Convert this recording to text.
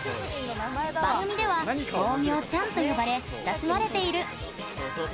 番組では、豆苗ちゃんと呼ばれ親しまれている。